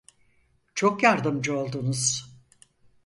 Çok yardımcı oldunuz.